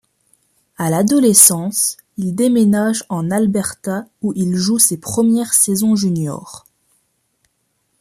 À l'adolescence, il déménage en Alberta où il joue ses premières saisons juniors.